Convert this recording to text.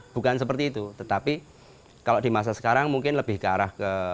bukan seperti itu tetapi kalau di masa sekarang mungkin lebih ke arah ke